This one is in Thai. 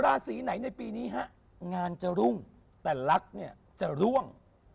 ราศีไหนในปีนี้ฮะงานจะรุ่งแต่รักเนี่ยจะร่วง